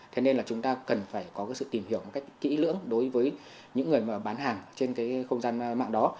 thế nên là chúng ta cần phải có sự tìm hiểu kỹ lưỡng đối với những người bán hàng trên không gian mạng đó